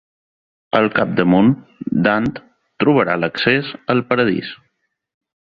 Al capdamunt, Dant trobarà l'accés al Paradís.